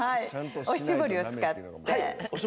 おしぼりを使って。